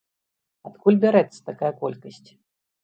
Адкуль бярэцца такая колькасць?